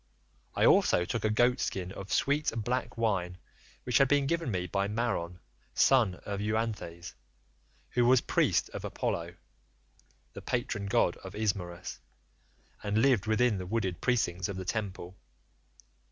I also took a goatskin of sweet black wine which had been given me by Maron, son of Euanthes, who was priest of Apollo the patron god of Ismarus, and lived within the wooded precincts of the temple.